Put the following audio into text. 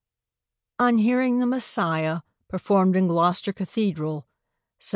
ON HEARING "THE MESSIAH" PERFORMED IN GLOUCESTER CATHEDRAL, SEPT.